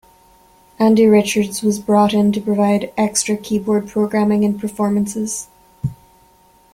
Andy Richards was brought in to provide extra keyboard programming and performances.